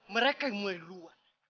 mereka yang mulai luar